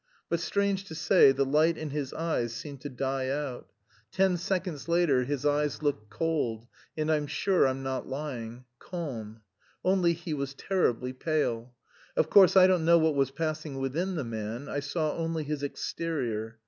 But, strange to say, the light in his eyes seemed to die out. Ten seconds later his eyes looked cold, and I'm sure I'm not lying calm. Only he was terribly pale. Of course I don't know what was passing within the man, I saw only his exterior.